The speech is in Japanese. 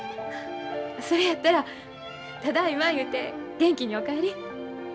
それやったらただいま言うて元気にお帰り。